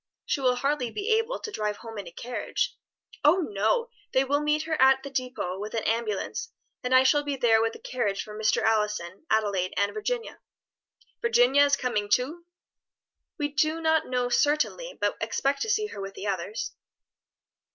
She will hardly be able to drive home in a carriage." "Oh no! they will meet her at the depôt with an ambulance, and I shall be there with the carriage for Mr. Allison, Adelaide, and Virginia." "Virginia is coming too?" "We do not know certainly, but expect to see her with the others."